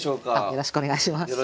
よろしくお願いします。